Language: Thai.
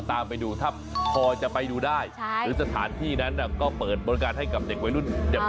ตามไปดูถ้าพอจะไปดูได้หรือสถานที่นั้นก็เปิดบริการให้กับเด็กวัยรุ่นเนี่ย